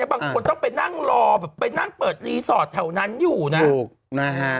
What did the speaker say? บางคนต้องไปนั่งรอแบบไปนั่งเปิดรีสอร์ทแถวนั้นอยู่นะถูกนะฮะ